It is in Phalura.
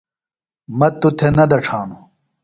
مہ توۡ تھےۡ نہ دڇھانوۡ۔